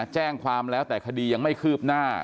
แจ้งความแล้วแต่คดียังไม่คืบหน้า